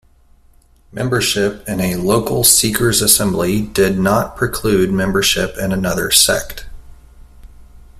Membership in a local Seekers assembly did not preclude membership in another sect.